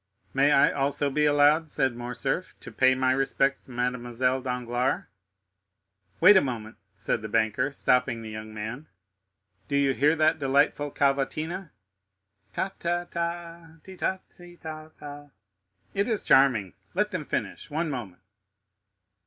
"May I also be allowed," said Morcerf, "to pay my respects to Mademoiselle Danglars?" "Wait a moment," said the banker, stopping the young man; "do you hear that delightful cavatina? Ta, ta, ta, ti, ta, ti, ta, ta; it is charming, let them finish—one moment.